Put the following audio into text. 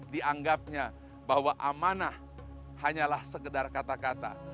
dianggapnya bahwa amanah hanyalah sekedar kata kata